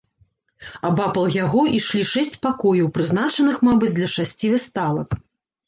Абапал яго ішлі шэсць пакояў, прызначаных, мабыць, для шасці вясталак.